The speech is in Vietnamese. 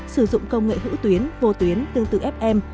sử dụng công nghệ hữu tuyến vô tuyến tương tự fm